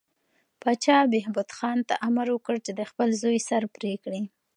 پاچا بهبود خان ته امر وکړ چې د خپل زوی سر پرې کړي.